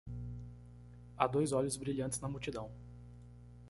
Há dois olhos brilhantes na multidão